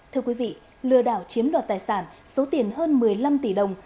thưa quý vị lừa đảo chiếm đoạt tài sản số tiền hơn một mươi năm tỷ đồng